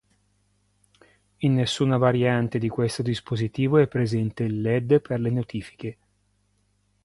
In nessuna variante di questo dispositivo è presente il led per le notifiche.